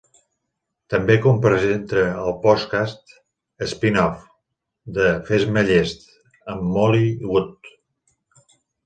També copresenta el podcast "spin-off" de "Fes-me llest" amb Molly Wood.